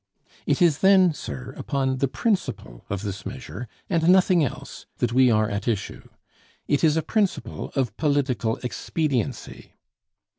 It is then, sir, upon the principle of this measure, and nothing else, that we are at issue. It is a principle of political expediency.